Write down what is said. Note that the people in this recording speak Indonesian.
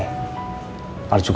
al juga gak tau tante